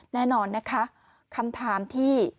แน่นอนนะคะคำถามที่